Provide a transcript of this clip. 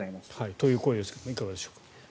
という声ですがいかがでしょうか？